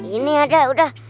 ini ada udah